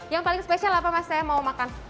yang paling spesial apa mas saya mau makan